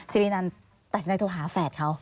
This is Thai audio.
สิรินันตัดสินใจโทรหาแฝดเขา